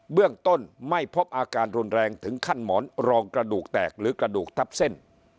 เรื่องต้นไม่พบอาการรุนแรงถึงขั้นหมอนรองกระดูกแตกหรือกระดูกทับเส้น